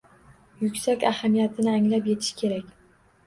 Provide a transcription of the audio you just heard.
Yuksak ahamiyatini anglab yetish kerak.